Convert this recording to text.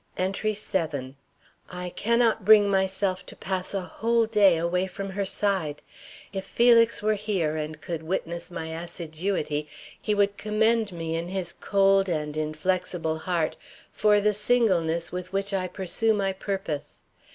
ENTRY VII. I cannot bring myself to pass a whole day away from her side. If Felix were here and could witness my assiduity, he would commend me in his cold and inflexible heart for the singleness with which I pursue my purpose.